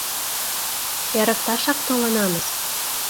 Эрыкташак толынамыс.